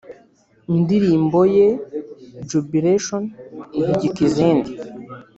indirimbo ye Jubilation ihigika izindi